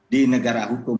di negara hukum